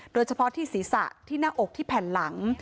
โดยเฉพาะที่ศีรษะที่หน้าอกที่แผ่นหลัง